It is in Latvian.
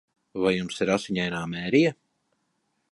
Vai jums ir Asiņainā Mērija?